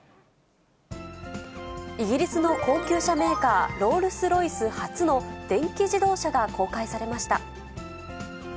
イギリスの高級車メーカー、ロールスロイス初の電気自動車が公開されました。